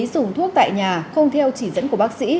dùng thuốc tại nhà không theo chỉ dẫn của bác sĩ